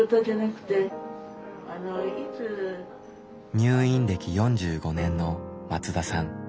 入院歴４５年の松田さん。